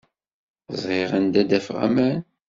Ẓriɣ anda ad d-afeɣ aman.